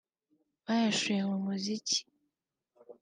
bayashoye mu muziki